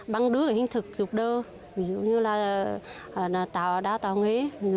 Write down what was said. băng đu hình thực dục đơ ví dụ như là đáo tạo nghế